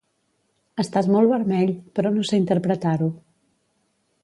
Estàs molt vermell, però no sé interpretar-ho